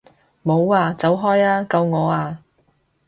冇啊！走開啊！救我啊！